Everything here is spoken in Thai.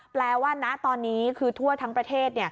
แปลว่าณตอนนี้คือทั่วทั้งประเทศ